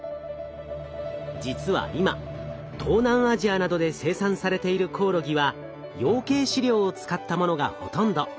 実は今東南アジアなどで生産されているコオロギは養鶏飼料を使ったものがほとんど。